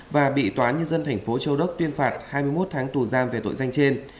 và bị tòa nhân dân thành phố châu đốc tuyên phạt hai mươi một tháng tù giam về tội danh trên